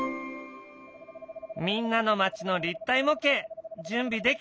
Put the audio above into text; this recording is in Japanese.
みんなの町の立体模型準備できたね！